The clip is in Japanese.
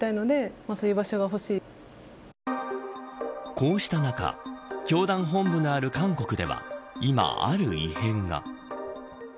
こうした中教団本部のある韓国では今ある異変が。